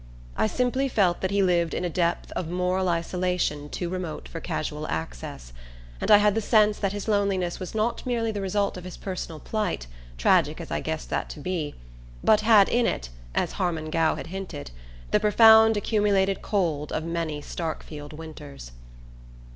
I simply felt that he lived in a depth of moral isolation too remote for casual access, and I had the sense that his loneliness was not merely the result of his personal plight, tragic as I guessed that to be, but had in it, as Harmon Gow had hinted, the profound accumulated cold of many Starkfield winters.